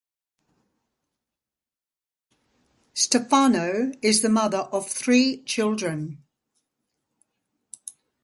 Stefano is the mother of three children.